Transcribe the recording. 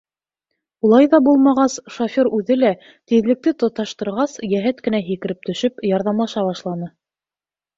Улай ҙа булмағас, шофер үҙе лә, тиҙлекте тоташтырғас, йәһәт кенә һикереп төшөп, ярҙамлаша башланы.